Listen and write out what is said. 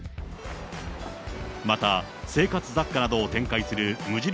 また、生活雑貨などを展開する無印